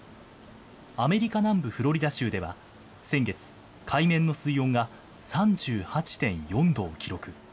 アメリカ南部フロリダ州では先月、海面の水温が３８．４度を記録。